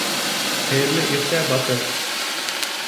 — Хәйерле иртә, батыр!